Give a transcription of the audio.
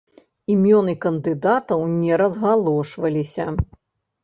Імёны кандыдатаў не разгалошваліся.